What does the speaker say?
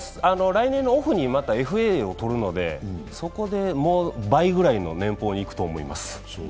来年のオフにＦＡを取ると思うのでそこで倍くらいの年俸にいくと思います。